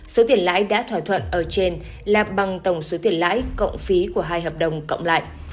số tiền lãi đã thỏa thuận ở trên là bằng tổng số tiền lãi cộng phí của hai hợp đồng cộng lại